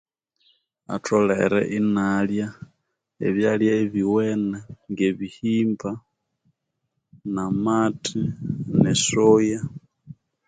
Atholere inalya ebyalya ebyuwene nge behimba na mathe ne soya